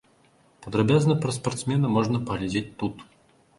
Падрабязна пра спартсмена можна паглядзець тут.